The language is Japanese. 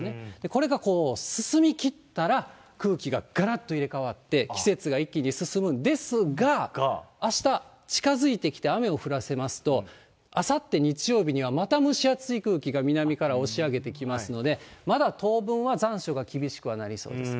これが進みきったら、空気ががらっと入れかわって、季節が一気に進むんですが、あした、近づいてきて雨を降らせますと、あさって日曜日にはまた蒸し暑い空気が南から押し上げてきますので、まだ当分は残暑が厳しくはなりそうです。